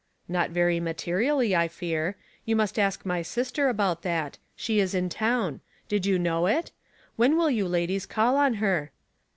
*' Not very materially, I fear. You must ask my sister about that. She is in town. Did you know it? When will you ladies call on her?